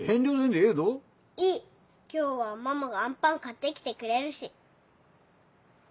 今日はママがあんパン買って来てくれるし。